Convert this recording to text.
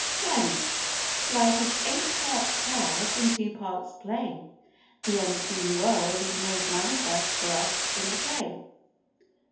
x Life is eight parts cards and two parts play, the unseen world is made manifest to us in the play.